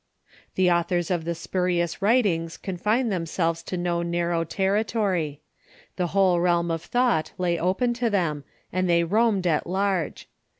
The authors of the spurious writings confined themselves to no narrow territory. The whole realm of thought lay open to tliem, and they roamed at large.